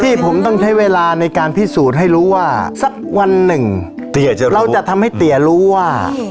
ที่ผมต้องใช้เวลาในการพิสูจน์ให้รู้ว่าสักวันหนึ่งเราจะทำให้เตี๋ยรู้ว่า